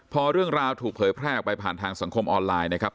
พอเรื่องราวถูกเผยแพร่ออกไปผ่านทางสังคมออนไลน์นะครับ